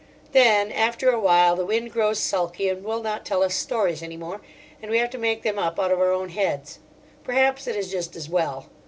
Then, after awhile, the wind grows sulky and will not tell us stories any more, and we have to make them up out of our own heads. Perhaps it is just as well.